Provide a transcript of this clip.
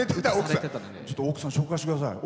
奥さん紹介してください。